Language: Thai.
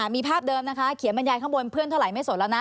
มีภาพเดิมนะคะเขียนบรรยายข้างบนเพื่อนเท่าไหไม่สนแล้วนะ